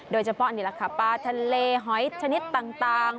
โดยเฉพาะนี่แหละค่ะปลาทะเลหอยชนิดต่าง